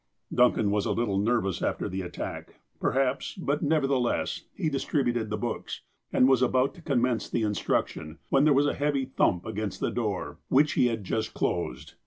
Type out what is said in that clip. Duncan was a little nervous after the attack, perhaps, but nevertheless he distributed the books, and was about to commence the instruction, when there was a heavy thump against the door, which he had just closed.